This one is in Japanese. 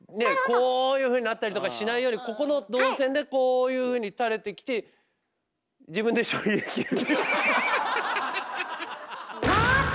こういうふうになったりとかしないようにここの動線でこういうふうにたれてきてアッハッハッハッ！